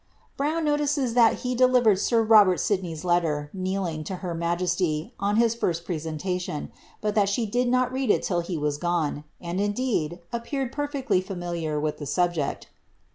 Brown notices that he delivered sir Robert Sidney's letter, kneeling, > her majesty, on his firat presentation, but that she did not read it till s was gone ; and, indeed, appeared perfectly familiar with the subject.